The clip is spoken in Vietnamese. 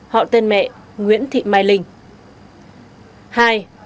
họ tên mẹ nguyễn thị mai linh